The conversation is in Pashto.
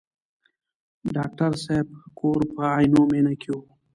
د ډاکټر صاحب کور په عینومېنه کې و.